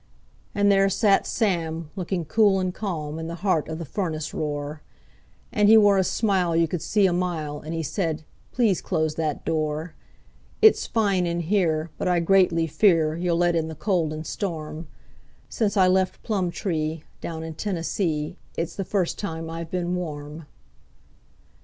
And there sat Sam, looking cool and calm, in the heart of the furnace roar; And he wore a smile you could see a mile, and he said: "Please close that door. It's fine in here, but I greatly fear you'll let in the cold and storm Since I left Plumtree, down in Tennessee, it's the first time I've been warm."